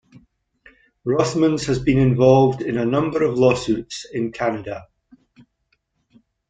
Rothmans has been involved in a number of lawsuits in Canada.